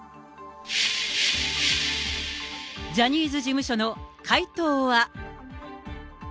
ジャニーズ事務所の回答は。